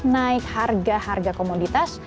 naik harga harga komoditas